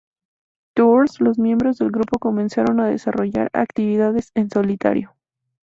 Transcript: Tour, los miembros del grupo comenzaron a desarrollar actividades en solitario.